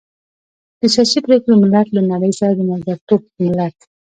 د سياسي پرېکړې ملت، له نړۍ سره د ملګرتوب ملت.